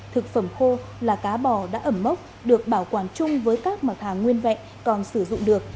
thực phẩm khô là cá bò đã ẩm mốc được bảo quản chung với các mặt hàng nguyên vẹn còn sử dụng được